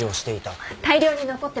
大量に残ってます。